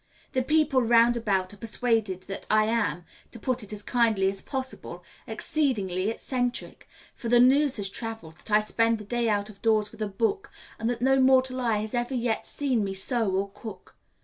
The people round about are persuaded that I am, to put it as kindly as possible, exceedingly eccentric, for the news has travelled that I spend the day out of doors with a book, and that no mortal eye has ever yet seen me sew or cook.